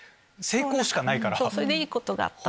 それでいいことがあった！